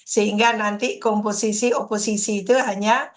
sehingga nanti komposisi oposisi itu hanya